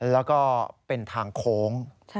แล้วก็เป็นทางโค้ง